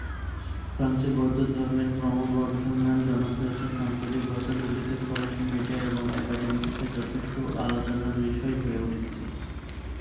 ফ্রান্সে বৌদ্ধ ধর্মের ক্রমবর্ধমান জনপ্রিয়তা সাম্প্রতিক বছরগুলিতে ফরাসি মিডিয়া এবং একাডেমিতে যথেষ্ট আলোচনার বিষয় হয়ে উঠেছে।